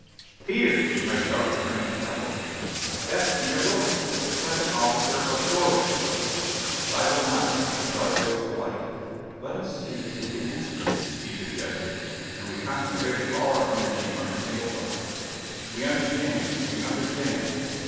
"Peter!" I shouted, turning to Dival. "That's Peter Wilson, second officer of the Dorlos!" Dival nodded, his dark face alight. "Let us see if we can answer him," he suggested, and we concentrated all our energy on a single thought: "We understand. We understand."